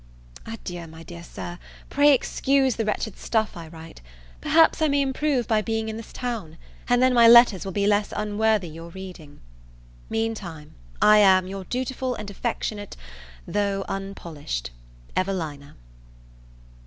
Adieu, my dear Sir, pray excuse the wretched stuff I write; perhaps I may improve by being in this town, and then my letters will be less unworthy your reading. Meantime, I am, Your dutiful and affectionate, though unpolished, EVELINA.